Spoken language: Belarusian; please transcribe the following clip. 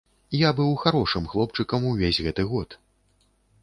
Я быў харошым хлопчыкам увесь гэты год!